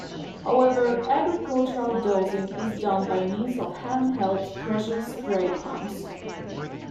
However agricultural dosing is done by means of hand held pressure spray pumps.